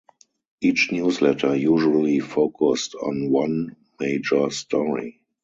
Each newsletter usually focused on one major story.